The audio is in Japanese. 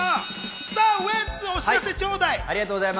ウエンツお知らせちょうだい。